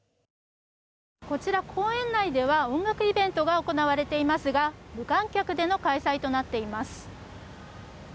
こちら、公園内では音楽イベントが行われていますが無観客での開催となっています。